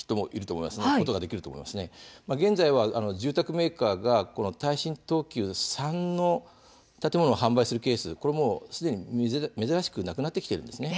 現在は住宅メーカーが耐震等級３の建物を販売するケースも、すでに珍しくなくなってきているんです。